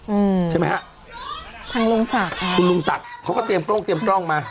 อืมใช่ไหมฮะทางลุงศักดิ์ค่ะคุณลุงศักดิ์เขาก็เตรียมกล้องเตรียมกล้องมา